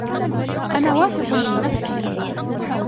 أنا واثق من نفسي.